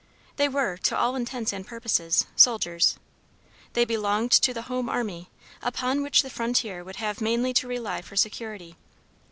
They were, to all intents and purposes, soldiers. They belonged to the home army, upon which the frontier would have mainly to rely for security.